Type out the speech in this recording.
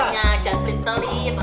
hanya jatuhin pelit